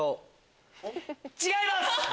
違います！